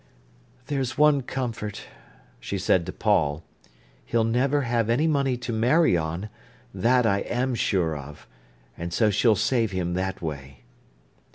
"There's one comfort," she said to Paul—"he'll never have any money to marry on, that I am sure of. And so she'll save him that way."